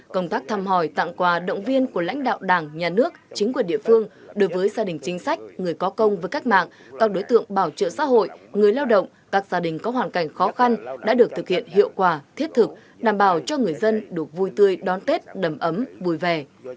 công tác thăm hỏi tặng quà động viên của lãnh đạo đảng nhà nước chính quyền địa phương đối với gia đình chính sách người có công với cách mạng các đối tượng bảo trợ xã hội người lao động các gia đình có hoàn cảnh khó khăn đã được thực hiện hiệu quả thiết thực đảm bảo cho người dân được vui tươi đón tết đầm ấm vui vẻ